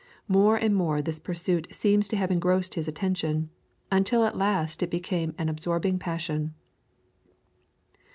More and more this pursuit seems to have engrossed his attention, until at last it had become an absorbing passion.